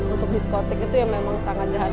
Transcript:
untuk diskotik itu ya memang sangat jahat